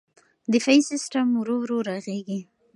دفاعي سیستم ورو ورو رغېږي.